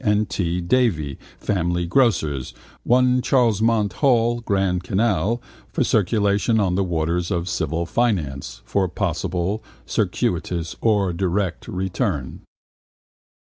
and T. Davy, family grocers, 1 Charlemont Mall, Grand Canal, for circulation on the waters of civic finance, for possible, circuitous or direct, return.